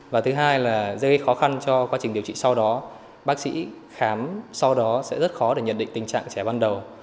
và thứ hai là dây khó khăn cho quá trình điều trị sau đó bác sĩ khám sau đó sẽ rất khó để nhận định tình trạng trẻ ban đầu